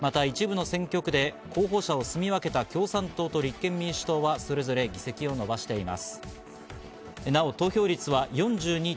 また一部の選挙区で候補者をすみ分けた共産党と立憲民主党はそれぞれ議席を伸ばしています。